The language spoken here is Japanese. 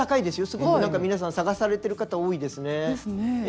すごく皆さん探されてる方多いですね。ですね。